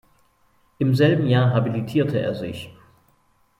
Im selben Jahr habilitierte er sich.